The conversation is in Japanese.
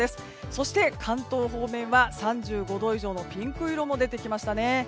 そして関東方面は３５度以上のピンク色も出てきましたね。